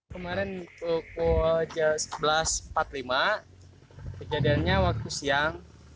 kemarin pukul sebelas empat puluh lima kejadiannya waktu siang